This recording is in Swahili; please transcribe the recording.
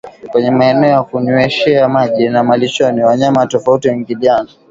Kwenye maeneo ya kunyweshea maji na malishoni wanyama tofauti huingiliana